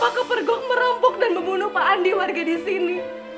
pak kepergok merampok dan membunuh pak andi warga di sini